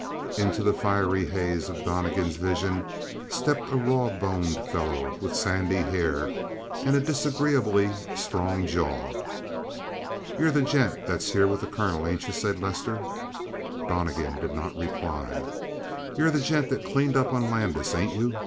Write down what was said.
Into the fiery haze of Donnegan's vision stepped a raw boned fellow with sandy hair and a disagreeably strong jaw. "You're the gent that's here with the colonel, ain't you?" said Lester. Donnegan did not reply. "You're the gent that cleaned up on Landis, ain't you?"